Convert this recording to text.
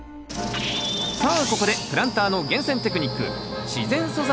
さあここでプランターの厳選テクニック